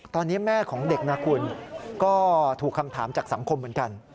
ตอนนี้แม่ของเด็กนะคุณก็ถูกคำถามจากสังคมเหมือนกัน